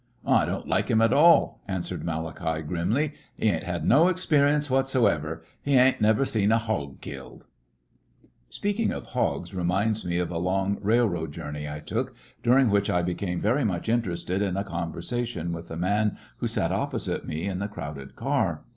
"I don't like him at all," answered Malachi, grimly. "He ain't had no experience whatso ever. He ain't never seen a hog killed !" Information on Speaking of hogs reminds me of a long rail o^ c oem ^^^ journey I took, during which I became very much interested in a conversation with a man who sat beside me in the crowded car.